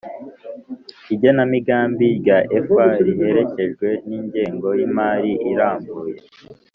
lgenamigambi rya efa riherekejwe n'ingengo y'imari irambuye